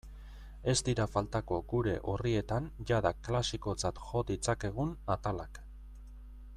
Ez dira faltako gure orrietan jada klasikotzat jo ditzakegun atalak.